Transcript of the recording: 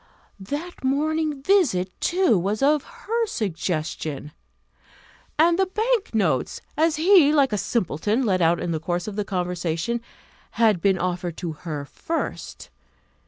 That morning visit, too, was of her suggestion; and the bank notes, as he, like a simpleton, let out in the course of the conversation, had been offered to her first.